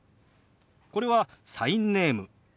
これはサインネーム。